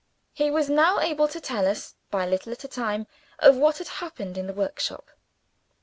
He was now able to tell us, by a little at a time, of what had happened in the workshop.